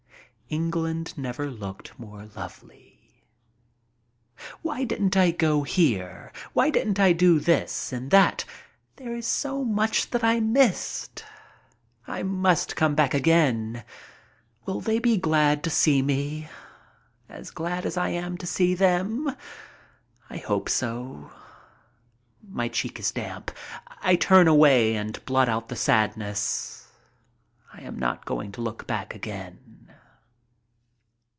England never looked more lovely. Why didn't I go here? Why didn't I do this and that? There is so much that I missed. I must come back again. Will they be glad to see me? As glad as I am to see them? I hope so. My cheek is damp. I turn away and blot out the sadness. I am not going to look back again.